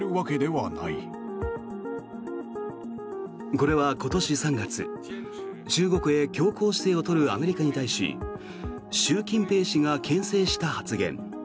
これは今年３月、中国へ強硬姿勢を取るアメリカに対し習近平氏がけん制した発言。